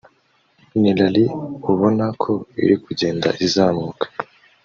ni Rally ubona ko iri kugenda izamuka